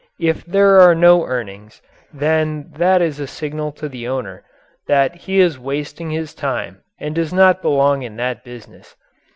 If there are no earnings then that is a signal to the owner that he is wasting his time and does not belong in that business.